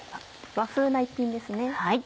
和風な一品ですね。